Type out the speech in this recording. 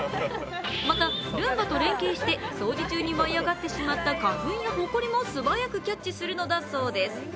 また、ルンバと連携して掃除中に舞いあがってしまった花粉やホコリも素早くキャッチするのだそうです。